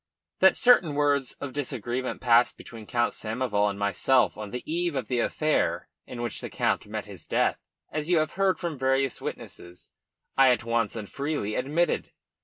"That certain words of disagreement passed between Count Samoval and myself on the eve of the affair in which the Count met his death, as you have heard from various witnesses, I at once and freely admitted.